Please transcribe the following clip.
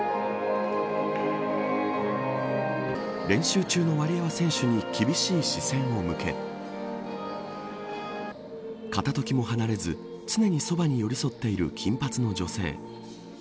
練習中のワリエワ選手に厳しい視線を向け片時も離れず常に、そばに寄り添っている金髪の女性。